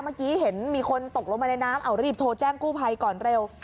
เมื่อกี้เห็นมีคนตกลงมาในน้ำเอารีบโทรแจ้งกู้ภัยก่อนเร็ว